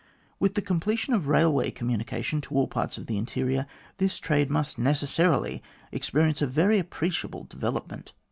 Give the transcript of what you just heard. With the completion of railway communication to all parts of the interior, this trade must necessarily experi ence a very appreciable development.